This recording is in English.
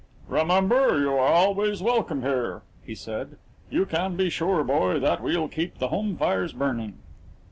"Remember, you are always welcome here," he said. "You can be sure, boy, that we'll keep the home fires burning."